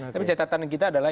tapi catatan kita adalah